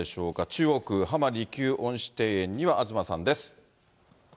中央区、浜離宮恩賜庭園には東さんです。